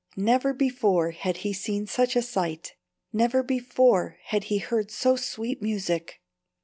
Never before had he seen such a sight; never before had he heard so sweet music.